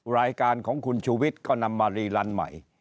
รายการของคุณชูวิทย์ก็นำมารีลันใหม่